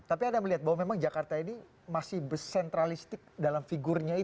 tapi ada melihat bahwa memang jakarta ini masih bersentralistik dalam figurnya